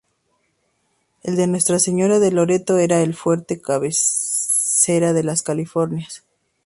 El de Nuestra Señora de Loreto era el Fuerte cabecera de las Californias.